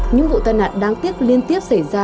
những vụ tai nạn đáng tiếc liên tiếp xảy ra